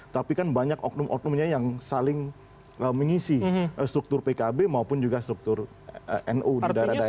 maka yang seluruh pknu nya yang saling mengisi struktur pkb maupun juga struktur nu di daerah daerah